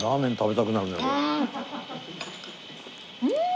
うん！